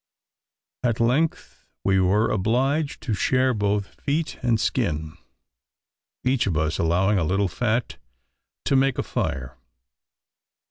At length we were obliged to share both feet and skin, each of us allowing a little fat to make a fire.